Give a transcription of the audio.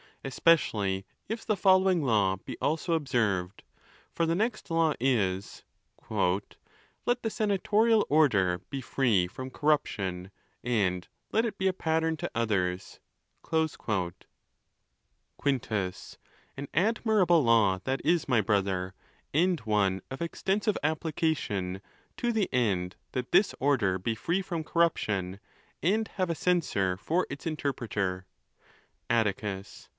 Especially, if the following law be also observed. For the next law is,—" Let the senatorial order be free from corrup tion, and let it be a pattern to others." ~ Quintus.—An admirable law that is, my brother, and one of extensive application, to the end that this order be free from corruption, and have a censor for its interpreter. Atticus.